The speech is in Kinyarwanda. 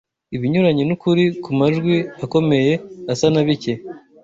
Ibinyuranye nukuri kumajwi akomeye asa na bike